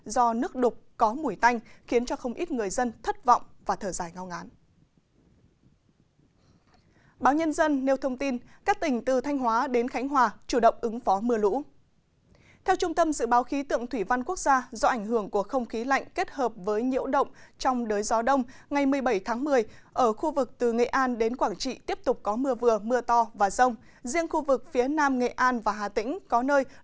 riêng khu vực phía nam nghệ an và hà tĩnh có nơi lưỡng mưa từ một trăm linh đến một trăm năm mươi mm trong hai mươi bốn giờ